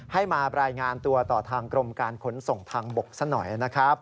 ให้มารายงานตัวต่อทางกรมการขนส่งทางบกซะหน่อยนะครับ